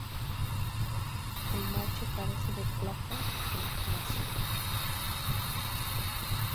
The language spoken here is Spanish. El macho carece de placa de incubación.